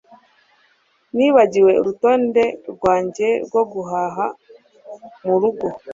Nibagiwe urutonde rwanjye rwo guhaha murugo